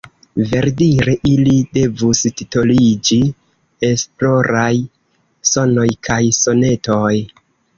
Verdire ili devus titoliĝi Esploraj sonoj kaj sonetoj.